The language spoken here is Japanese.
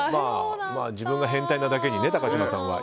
自分が変態なだけに高嶋さんが。